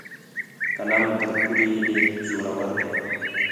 قلم تر تورې ډیر زورور دی.